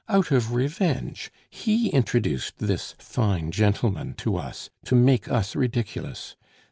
Out of revenge, he introduced this fine gentleman to us, to make us ridiculous....